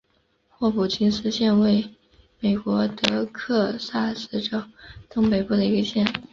霍普金斯县位美国德克萨斯州东北部的一个县。